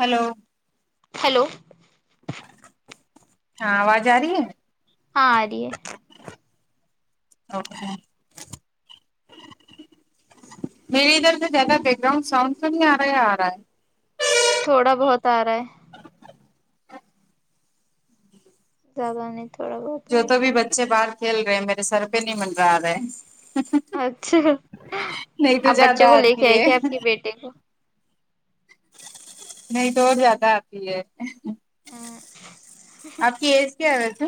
hello hello ہاں آواز آ رہی ہے ہاں ا رہ ہے اوکے میری ادھر سے زیادہ بیک گراؤنڈ ساؤنڈ تو نہیں آ رہا یا آ رہا ہے تھوڑا بہت آ رہا ہے زیادہ نہیں تھوڑات جو تو بھی بچے باہر کھیل رہے ہیں میرے سر پہ نہیں منرا رہے اچھا آپ زیادہ بچوں کو لے کے آتی آئے ہے گے آپ کی بیٹے کو نہیں تو اور زیادہ آتی ہے ہمم آپ کی ایج کیا ہے ویسے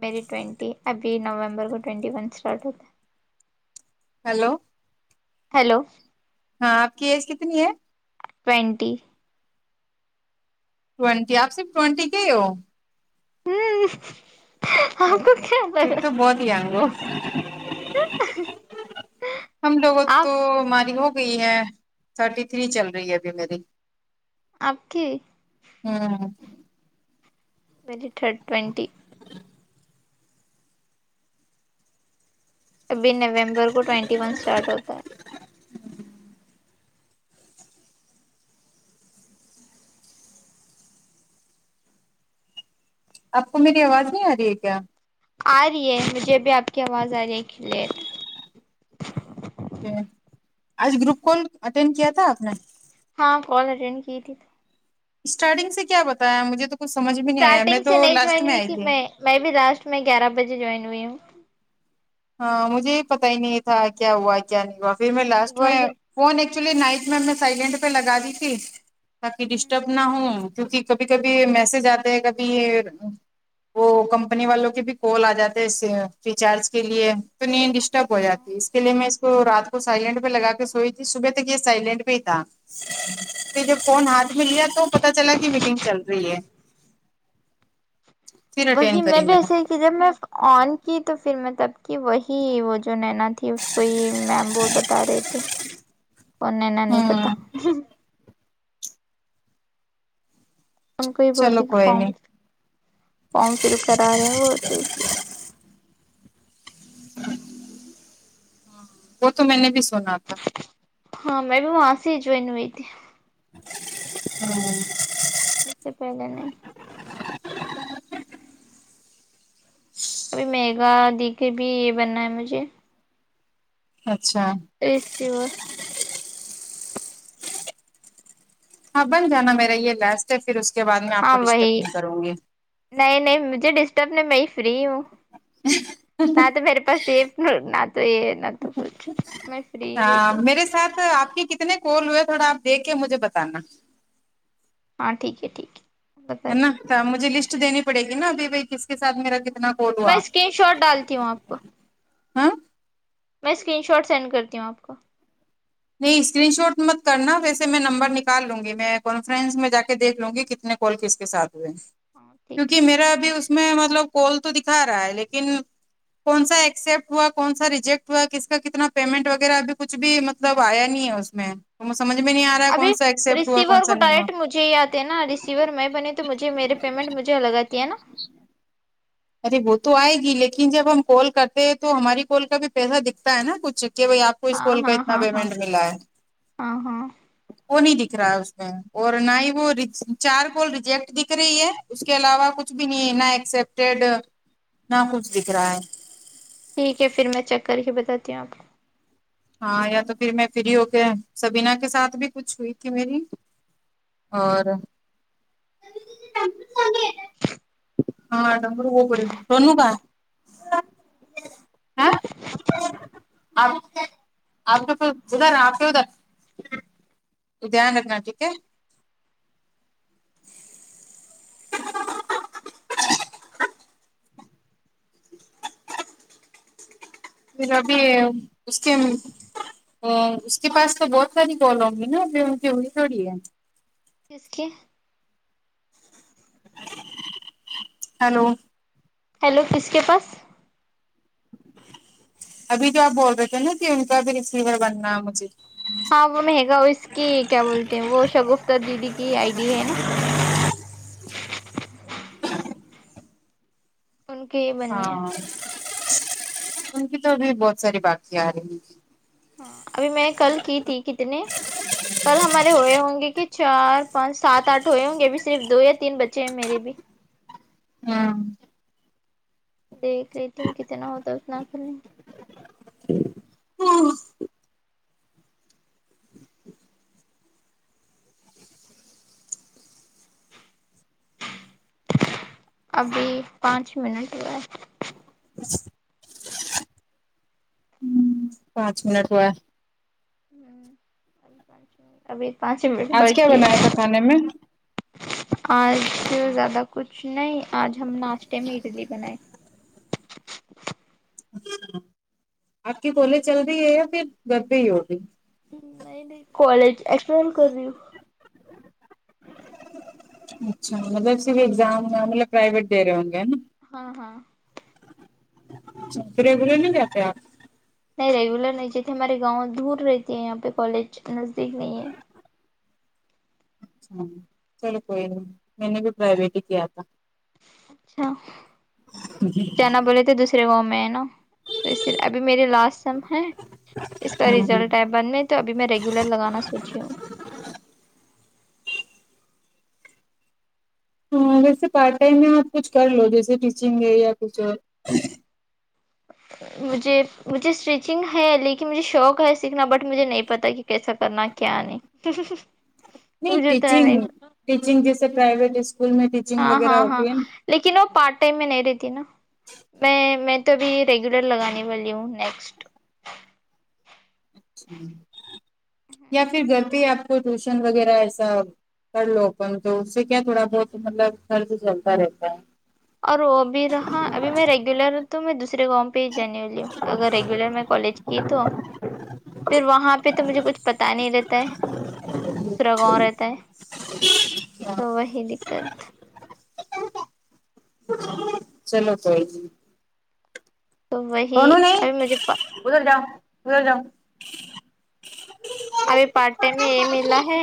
میری ٹوئنٹی ابھی نومبر کو ٹوئنٹی ون اسٹارٹ ہو ہیلو ہیلو ہاں آپ کی ایج کتنی ہے ٹوئنٹی ٹوئنٹی آپ صرف ٹوئنٹی کے ہی ہو ہممم تم تو بہت ینگ ہو ہم لوگوں تو آپ ماری ہو گئی ہے تھرٹی تھری چل رہی ہے ابھی میری آپ کی ہمم میری تھرڈ ٹوئنٹی ابھی نومبر کو ٹوینٹی ون اسٹارٹ ہوتا ہے آپ کو میری آواز نہیں آ رہی ہے کیا آ رہی ہے مجھے بھی آپ کی آواز آ رہی ہے کلیر ا آج گروپ کال اٹینڈ کیا تھا آپ نے ہاں کال اٹینڈ کی تھی اسٹارٹنگ سے کیا بتایا مجھے تو کچھ سمجھ میں نہیں آیا میں اسٹارٹنگ سے تو نہیں لاسٹ جوائن میں ہوئی آئی تھی میں بھی لاسٹ میں گیارہ بجے جوائن ہوئی ہوں ہاں مجھے یہ پتا ہی نہیں تھا کیا ہوا کیا نہیں ہوا پھر میں لاسٹ میں وہی فون ایکچولی نائٹ میں نے سائلینٹ پہ لگا دی تھی تاکہ ڈسٹرب نہ ہوں کیونکہ کبھی کبھی میسج آتے ہیں کبھی وہ کمپنی والوں کے بھی کال آ جاتے ہے اس فریچارج کے لیے تو نیند ڈسٹرب ہو جاتی ہے اس کے لیے میں اس کو رات کو سائلینٹ پہ لگا کے سوئی تھی صبح تک یہ سائلینٹ پہ ہی تھا پھر جب فون ہاتھ میں لیا تو پتا چلا کہ میٹنگ چل رہی ہے پھر وہی اٹینڈ میں کری بھی نے ایسے ہی کہ جب میں آن کی تو پھر میں تب کی وہی وہ جو نینا تھی اس کو ہی میم ب بتا رہے تھے او نینا نہیں پتا ہوں ان کو یہ چلو بولتی کوئی فارم نہیں فارم فل کرا رہے ہیں وہ وہ تو میں نے بھی سنا تھا ہاں میں بھی وہا سے جوائن ہوئی تھی ہمم اس سے پہلے نی ابھی میگا دی کے بھی بننا ہے مجھے اچھا ایست [unintelligible] ہاں بن جانا میرا یہ لاسٹ ہے پھر اس کے بعد میں آپ کو ہاں ڈسٹرب وہی نہیں کروں گی نہیں نہیں مجھے ڈسٹرب نہیں میں ہی فری ہوں نہ تو میرے پاس یہ سیف نہ تو یہ نہ تو کچھ میں فری بیٹھی ا ہوں میرے ساتھ آپ کی کتنے کال ہوئے تھوڑا آپ دیکھ کے مجھے بتانا ہاں ٹھیک ہے ٹھیک ہے ہے بتا نا تو مجھے لسٹ دینی پڑے گی نا ابھی بھائی کس کے ساتھ میرا کتنا کال میں ہوا اسکرین شاٹ ڈالتی ہوں آپ کو ہاں میں اسکرین شاٹ سینڈ کرتی ہوں آپ کو نہیں اسکرین شاٹ مت کرنا ویسے میں نمبر نکال لوں گی میں کانفرنس میں جا کے دیکھ لوں گی کتنے کال کس کے ساتھ ہوئے ہاں ٹھیک ہے کیونکہ میرا ابھی اس میں مطلب کال تو دکھا رہا ہے لیکن کون سا ایکسپٹ ہوا کون سا ریجیکٹ ہوا کس کا کتنا پیمنٹ وغیرہ ابھی کچھ بھی م مطلب آیا نہیں ہے اس میں تو سمجھ میں نہیں آ رہا ہے کون سا ایکسپٹ ہوا کون سا نہیں ہوا جی آتے ہے نا ریسیور میں بنی تو مجھے میرے پیمنٹ مجھے لگاتی ہے نا ارے وہ تو آئے گی لیکن جب ہم کال کرتے تو ہماری کال کا بھی پیسہ دکھتا ہے نا کچھ کہ بھائی آپ کو ہاں اسکول کا ہاں اتنا ہاں ہاں پیمنٹ ملا ہے ہاں ہاں وہ نہیں دکھ رہا ہے اس میں اور نہ ہی وہ چار کول ریجیکٹ دکھ رہی ہے اس کے علاوہ کچھ بھی نہیں ہے نہ ایکسپٹیڈ نہ کچھ دکھ رہا ہے ٹھیک ہے پھر میں چیک کر کے بتاتی ہوں آپ کو ہاں یا تو پھر میں فری ہو کے سبین کے ساتھ بھی کچھ ہوئی تھی میری اور [unintelligible] آپ آپ کے تو ادھر آپ کے ادھر دین رکھنا تھیک ہے پھر ابھی اس کے ا اس کے پاس تو بہت ساری کال ہونگی نہ [unintelligible] تھوڑی تھوڑی ہے کس کے ہیلو ہیلو کس کے پاس ابھی جو آپ بول رہے تھے نا کہ ان کا بھی ریسیور بننا ہے مجھے ہاں وہ مہنگا اس کی کیا بولتے ہیں وہ شگفتر دیدی کی آئی ڈی ہے نا ان کے یہ بننی ہے ہاں انک تو ا بھی بہت ساری بقی رہی ابھی میں کل کی تھی کتنی کل ہمارے ہوئے ہوں گے کہ چار پانچ سات آٹھ ہوئے ہوں گے ا بھی صرف دو یا تین بچے ہیں میرے بھی ہاں دیکھ لیتیوں کتنا ہوتا اتنا کر لیںے ابھی پانچ منٹ گئے پانچ منٹ ہوا ابھی پانچ منٹ آج کیا بخی ہے بنایا تھا کھانے میں آج زیادہ کچھ نہیں آج ہم ناستےے میں اڈلی بنائے آپ کی کال چل رہی ہے یا پھر گھر پہ ہی ہوگی نہیں نہیں کالج ایسل کر رہی ہ اچھا مطلب صرف اگزام مطلب پرائیوٹ دے رہے ہوں گے نا ہاں ہاں چ ریگولر نہیں دیتے آپ نہیں ریگولر نہیں چیتے ہمارے گاؤں دور رہتی ہے یہاں پہ کالج نزدیک نہیں ہے چلو کوئی نہیں میں نے بھی پرائیویٹ ہی کیا تھا اچھا جانا بولے تھے دوسرے گاؤں میں ہے نا تو اس ابھی میرری لاسٹ سم ہے اس کا ریزلٹ ہے ہاں بند میں تو ابھی میں ریگولر لگانا سوچی ہوں ہاں ویسے پارٹ ٹائم میں آپ کچھ کر لو جیسے ٹیچنگ ہے یا کچھ اور مجھے مجھے اسٹیچنگ ہے لیکن مجھے شوق ہے سیکھنا بٹ مجھے نہیں پتا کہ کیسا کرنا کیا نہیں ہمم ہمم ہمم نہیں ٹیچنگ ٹیچنگ جیسے پرائیویٹ اسکول میں ٹیچنگ ہاں وغیرہ ہاں ہاں ہوتی ہے نا لیکن وہ پارٹ ٹائم میں نہیں رہتی نا میں میں تو ابھی ریگولر لگانے والی ہوں نیکسٹ یا پھر گھر پہ آپ کو ٹیوشن وغیرہ ایسا کر لو اپن تو اس سے کیا تھوڑا بہت مطلب گھرتو چلتا رہتا ہے اور وہ بھی رہا ابھی میں ریگولر تو میں دوسرے گاؤں پھرجنینولی اگر ریگولر میں کالج کی تو پھر وہاں پہ ہ تو مجھے کچھ پتا نہیں رہتا ہے دوسرا گاؤں رہتا ہے ہے تو وہی دقت چلو کوںی نہی تو وہی سنو ابھی مجھے نےادھر جاؤ ادھر جاؤ ابھی پارٹ ٹائم میں یہ ملا ہے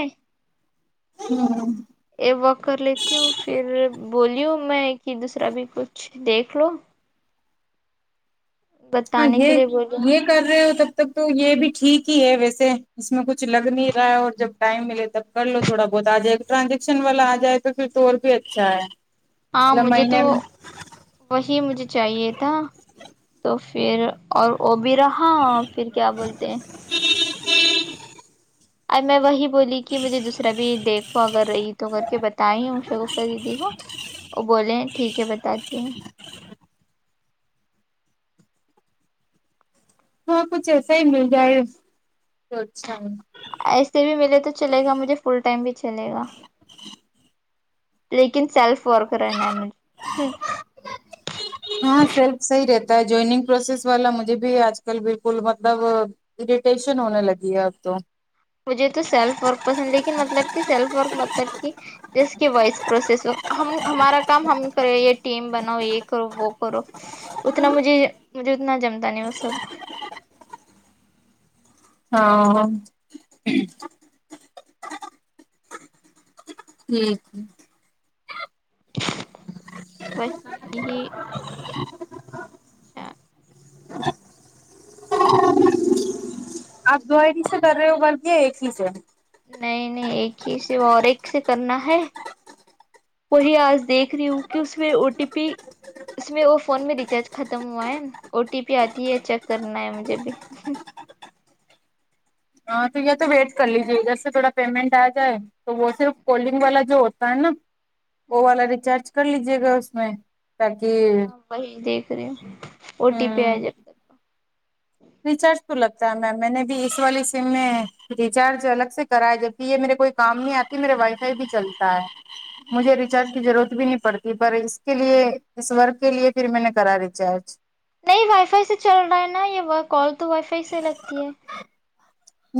ای واک کر لیتی ہوں پھر بولیوں میں کہ دوسرا بھی کچھ دیکھ لو ہاں بتانے کے یہ لیے بولا یہ کر رہے ہو تب تک تو یہ بھی ٹھیک ہی ہے ویسے اس میں کچھ لگ نہیں رہا ہے اور جب ٹائم ملے تو تب کر لو تھوڑا بہت آ جائےٹرانزیکشن والا آ جائے تو پھر تو اور بھی اچھا ہے ہاں مطلب مجھے تو مہینے میں وہی مجھے چاہیے تھا تو پھر اور وہ بھی رہا پھر کیا بولتے اب میں وہی بولی کہ مجھے دوسرے تبھی دیکھو اگر ایک دو کر کے بتائی شگفتہ دی کو وہ بولے ہیں ٹھیک ہے بتاتی ہوں ہاں کچھ ایسا ہی مل جائے گا تو اچھا ہے ایسے بھی ملے تو چلے گا مجھے فل ٹائم بھی چلے گا لیکن سیلف ورک رہنا ہے ہمیں امم ہاں سیلف صحیع رہتا ہے جوائنگ پروسیس والا مجھے بھی آج کل بالکل مطلب اریٹیشن ہونے لگی ہے اب تو مجھے تو سیلف ورک پسند لیکن مطلب کہ سیلف ورک مطلب کہ جیسے کہ وائس پروسیس ہو ہم ہمارا کام ہم کریں یہ ٹیم بناؤ یہ کرو وہ کرو اتنا مجھے مجھے اتنا جمتا نہیں وہ سب ہاں ہم وہی آپ سوچی دوری سے کر رہے ہو بلے ایک ہی سے نہیں نہیں ایک ہی سے اور ایک سے کرنا ہے وہی آج دیکھ رہی ہوں کہ اس میں او ٹی پی اس میں وہ فون میں ریچارج ختم ہوا ہے او ٹی پی آتی ہے چیک کرنا ہے مجھے بھی ہاں تو یہ تو ویٹ کر لیجیے ادھر سے تھوڑا پیمنٹ آ جائے تو وہ صرف کالنگ والا جو ہوتا ہے نا وہ والا ریچارج کر لیجے گا اس میں تاکی ہاں وہی دیکھ رہی ہوں او ٹی پی ہاں آئے جب تک ریچارج تو لگتا ہے میم میں نے بھی اس والی سم میں ریچارج الگ سے کرایا جب یہ میرے کوئی کام نہیں آتی میرے وائی فائی پہ چلتا ہے ہاں مجھےری چارج کی ضرورت بھی نہیں پڑتی پر اس کے لیے اس ورک کے لیے پھر میں نے کرا ریچارج نہیں وائی فائی سے چل رہا ہے نا یہ وا کال تو وائی فائی سے لگتی ہے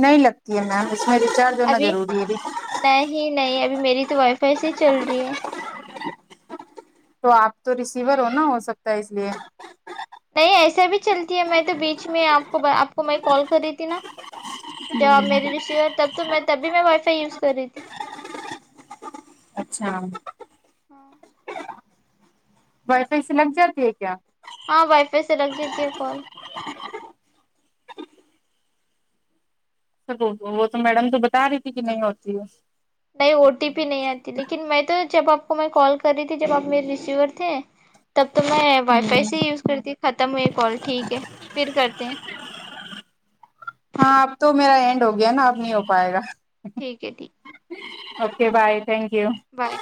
نہیں لگتی ہے میم اس میں ریچارج ہونا ابھی ضروری ہے لیکن نہیں نہیں ابھی میری تو وائی فائی سے ہی چل رہی ہے تو آپ تو ریسیور ہو نا ہو سکتا ہے اس لیے نہیں ایسا بھی چلتی ہے میں تو بیچ میں آپ کو آپ کو میں کال کر رہی تھی نا جب آپ میری ریسیور تب تو میں تبھی میں وائی فائی یوز کر رہی تھی اچھا ہاں وائی فا یی سے لگ جاتی ہے کیا ہاں وائی فائی سے لگ جاتی ہے کال وہ تو میڈم تو بتا رہی تھی کہ نہیں ہوتی ہے نہیں او ٹی پی نہیں آتی لیکن میں تو جب آپ کو میں کال کر رہی تھی جب آپ میرے ریسیور تھے تب تو میں وائی فائی ہوں سے ہی یوز کرتی ہ ختم ہوئے کال ٹھیک ہے پھر کرتے ہیں ہاں اب تو میرا اینڈ ہو گیا نا اب نہیں ہو پائے گا ٹھیک ہے ٹھیک اوکے بھائی تھینک یو بائے